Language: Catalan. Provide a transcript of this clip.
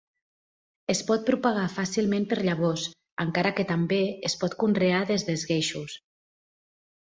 Es pot propagar fàcilment per llavors, encara que també es pot conrear des d'esqueixos.